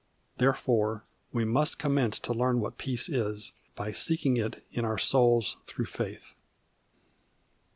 Therefore we must commence to learn what peace is, by seeking it in our souls through faith.